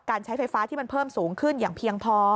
ใช้ไฟฟ้าที่มันเพิ่มสูงขึ้นอย่างเพียงพอ